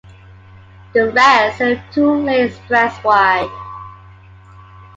The rest is a two-lane expressway.